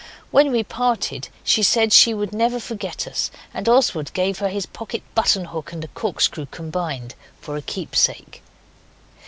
When we parted she said she would never forget us, and Oswald gave her his pocket button hook and corkscrew combined for a keepsake.